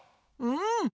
うん。